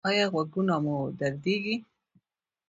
ایا غوږونه مو دردیږي؟